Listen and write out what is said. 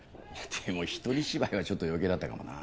でも一人芝居はちょっと余計だったかもな。